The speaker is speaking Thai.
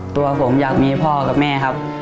ตัวผมอยากมีพ่อกับแม่ครับ